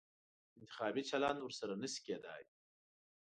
انتخابي چلند ورسره نه شي کېدای.